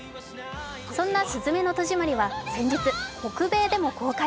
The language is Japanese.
そんな「すずめの戸締まり」は先日、北米でも公開。